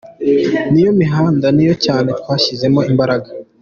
N’iyo mihanda niyo cyane twashyizemo imbaraga.